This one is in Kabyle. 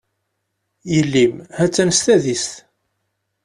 Yelli-m, ha-tt-an s tadist.